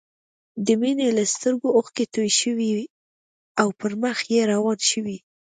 د مينې له سترګو اوښکې توې شوې او پر مخ يې روانې شوې